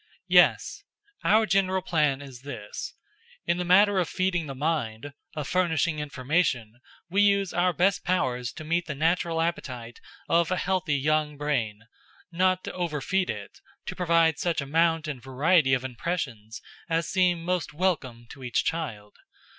"Yes. Our general plan is this: In the matter of feeding the mind, of furnishing information, we use our best powers to meet the natural appetite of a healthy young brain; not to overfeed it, to provide such amount and variety of impressions as seem most welcome to each child.